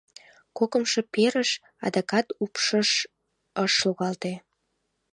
Кокымшо перыш — адакат упшыш ыш логалте.